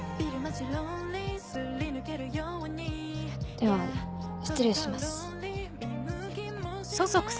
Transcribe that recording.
では失礼します。